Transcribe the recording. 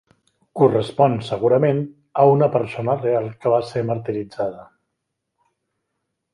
Correspon, segurament, a una persona real que va ser martiritzada.